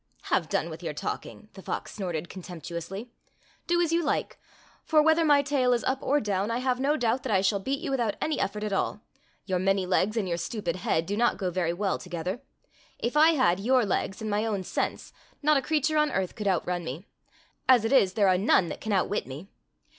''Have done with your talking," the fox snorted contemptuously. "Do as you like, for whether my tail is up or down I have no doubt that I shall beat you without any ef fort at all. Your many legs and your stupid head do not go very well together. If I had your legs and my own sense, not a creature on earth could outrim me. As it is there are none that can outwit me.